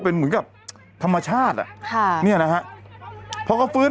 เป็นการกระตุ้นการไหลเวียนของเลือด